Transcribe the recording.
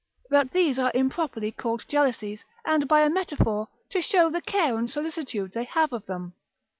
But these are improperly called jealousies, and by a metaphor, to show the care and solicitude they have of them.